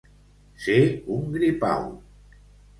Ser un gripau.